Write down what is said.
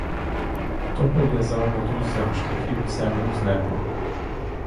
Хто пов'язав мотуззям шляхів землю з небом?